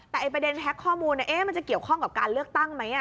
แต่ประเด็นแฮ็กข้อมูลมันจะเกี่ยวข้องกับการเลือกตั้งไหม